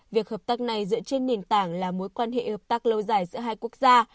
việc hợp tác này dựa trên nền tảng là mối quan hệ hợp tác lâu dài giữa hai quốc gia